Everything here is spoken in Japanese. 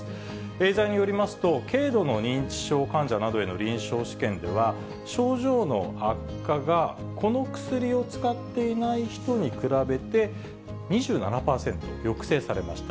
エーザイによりますと、軽度の認知症患者などへの臨床試験では、症状の悪化がこの薬を使っていない人に比べて、２７％抑制されました。